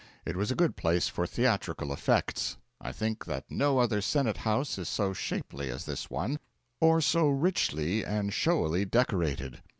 It was a good place for theatrical effects. I think that no other Senate House is so shapely as this one, or so richly and showily decorated.